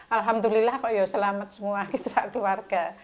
alhamdulillah kok ya selamat semua kita seorang keluarga